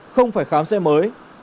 không phải khám xe mới